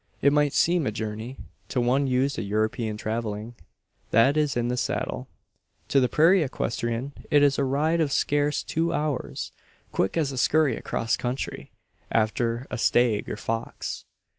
It might seem a journey, to one used to European travelling that is in the saddle. To the prairie equestrian it is a ride of scarce two hours quick as a scurry across country, after a stag or fox.